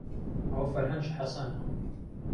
ئەوە فەرهەنگی حەسەنە.